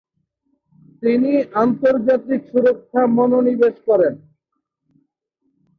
তিনি আন্তর্জাতিক সুরক্ষায় মনোনিবেশ করেন।